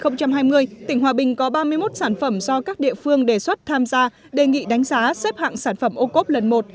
năm hai nghìn hai mươi tỉnh hòa bình có ba mươi một sản phẩm do các địa phương đề xuất tham gia đề nghị đánh giá xếp hạng sản phẩm ô cốp lần một